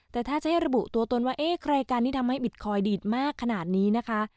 แต่ถ้าจะให้ระบุตัวตนว่าเอ๊ะใครกันที่ทำให้บิตคอยดีดมากขนาดนี้นะคะ